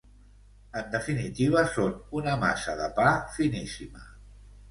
en definitiva són una massa de pa finíssima